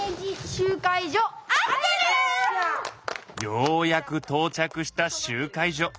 ようやくとう着した集会所。